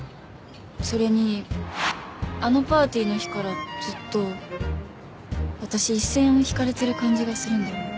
それにあのパーティーの日からずっと私一線を引かれてる感じがするんだよね。